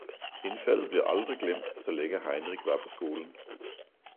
Indfaldet blev aldrig glemt, så længe Heinrich var på skolen.